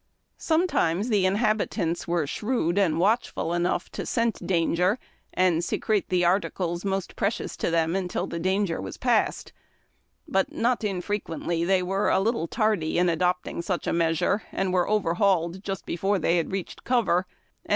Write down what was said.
Sometimes the inhabitants were shrewd and watchful enough to scent danger and secrete the articles most pre cious to them till the danger was past ; but not infrequently they were a little tardy in adopting such a measure, and were overhauled just before they had reached cover, and SCENE AT A WAYSIDE FARM HOUSE.